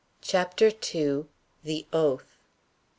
CHAPTER II. THE OATH.